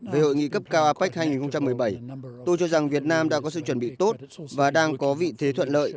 về hội nghị cấp cao apec hai nghìn một mươi bảy tôi cho rằng việt nam đã có sự chuẩn bị tốt và đang có vị thế thuận lợi